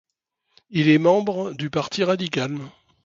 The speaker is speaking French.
Il est membre du Parti radical.